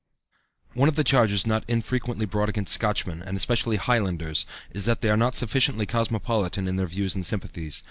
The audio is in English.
One of the charges not infrequently brought against Scotchmen, and especially Highlanders, is that they are not sufficiently cosmopolitan in their views and sympathies.